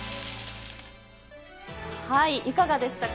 いかがでしたか？